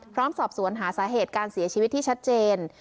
สอบสวนหาสาเหตุการเสียชีวิตที่ชัดเจน